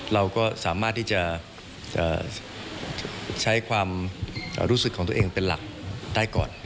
เราก็สามารถที่จะใช้ความรู้สึกของตัวเองเป็นหลักได้ก่อน